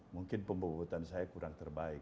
mungkin pembobotan saya kurang terbaik